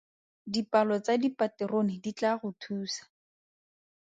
Dipalo tsa dipaterone di tlaa go thusa.